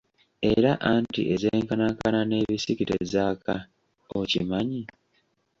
Era anti ezenkanankana n'ebisiki tezaaka, okimanyi?